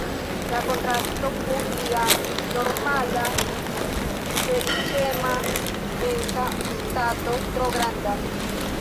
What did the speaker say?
La kontrasto kun lia normala feliĉema mensa stato tro grandas.